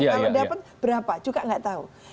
kalau dapat berapa juga nggak tahu